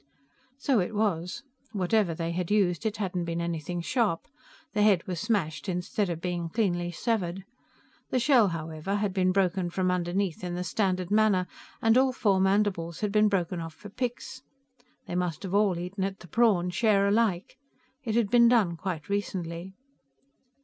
So it was. Whatever they had used, it hadn't been anything sharp; the head was smashed instead of being cleanly severed. The shell, however, had been broken from underneath in the standard manner, and all four mandibles had been broken off for picks. They must have all eaten at the prawn, share alike. It had been done quite recently.